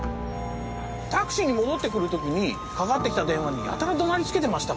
タクシーに戻ってくる時にかかってきた電話にやたら怒鳴りつけてましたから。